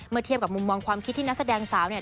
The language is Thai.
เทียบกับมุมมองความคิดที่นักแสดงสาวเนี่ย